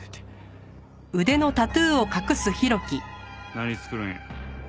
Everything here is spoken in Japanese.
何作るんや？